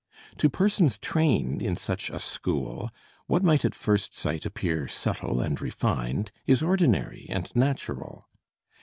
To persons trained in such a school, what might at first sight appear subtle and refined is ordinary and natural.